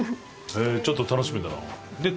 ちょっと楽しみだな。